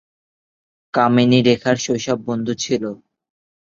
কামিনী রেখার শৈশব বন্ধু ছিল।